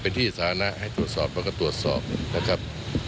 เป็นที่สาธารณะให้ตรวจสอบมันก็ตรวจสอบนะครับ